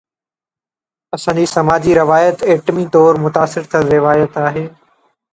اسان جي سماجي روايت ايٽمي طور متاثر ٿيل روايت آهي.